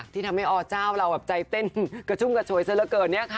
ที่ทำให้อเจ้าเราแบบใจเต้นกระชุ่มกับโชว์ไอ้เสียละเกินเนี่ยค่ะ